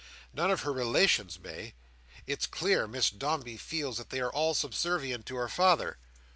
None of her relations may. It's clear Miss Dombey feels that they are all subservient to her father.